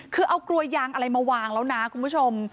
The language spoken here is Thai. คือเอากลัวยางอะไรมาวางแล้วนะคุณผู้ชม